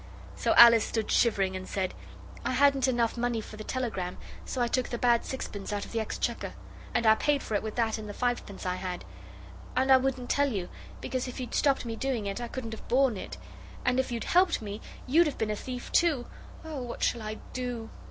So Alice stood shivering and said 'I hadn't enough money for the telegram, so I took the bad sixpence out of the exchequer. And I paid for it with that and the fivepence I had. And I wouldn't tell you, because if you'd stopped me doing it I couldn't have borne it; and if you'd helped me you'd have been a thief too. Oh, what shall I do?